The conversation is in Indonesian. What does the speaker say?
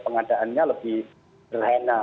pengadaannya lebih berhena